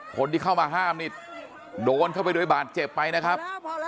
คนที่เข้ามาห้ามนี่โดนเข้าไปโดยบาดเจ็บไปนะครับ